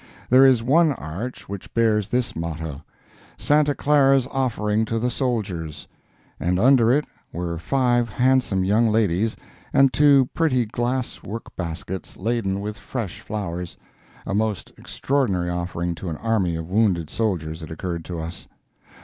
There is one arch which bears this motto: "Santa Clara's Offering to the Soldiers," and under it were five handsome young ladies and two pretty glass work baskets laden with fresh flowers—a most extraordinary offering to an army of wounded soldiers, it occurred to us.